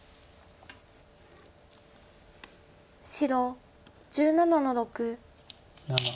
白１７の六。